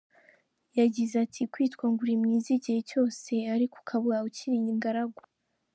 Yagize ati “Kwitwa ngo uri mwiza igihe cyose ariko ukaba ukiri ingaragu”.